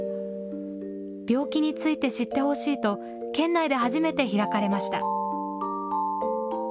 病気について知ってほしいと、県内で初めて開かれました。